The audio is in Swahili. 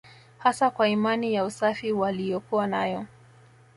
Hasa kwa imani ya usafi waliyokuwa nayo